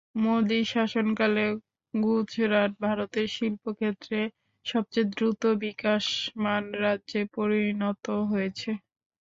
মোদির শাসনকালে গুজরাট ভারতের শিল্প ক্ষেত্রে সবচেয়ে দ্রুত বিকাশমান রাজ্যে পরিণত হয়েছে।